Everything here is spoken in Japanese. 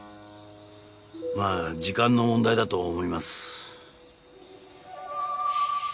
まあ時間の問題だと思います。